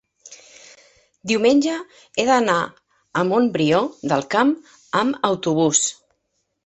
diumenge he d'anar a Montbrió del Camp amb autobús.